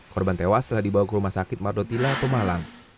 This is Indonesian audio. korban tewas telah dibawa ke rumah sakit mardotila pemalang